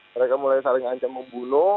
mereka mulai saling ancam membunuh